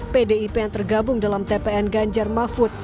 pdip yang tergabung dalam tpn ganjar mahfud